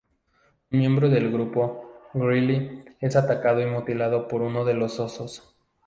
Un miembro del grupo, Greely, es atacado y mutilado por uno de los osos.